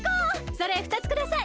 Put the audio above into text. それふたつください！